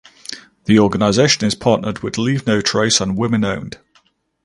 The organization is partnered with Leave No Trace and Women Owned.